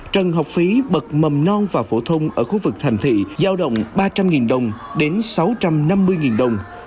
trần học phí bật mầm non và phổ thông ở khu vực thành thị giao động ba trăm linh đồng đến sáu trăm năm mươi đồng